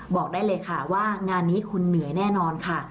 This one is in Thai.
บอกได้เลยค่ะว่างานนี้คุณเหนื่อยแน่นอนค่ะ